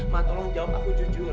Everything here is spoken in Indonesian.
mak tolong jawab aku jujur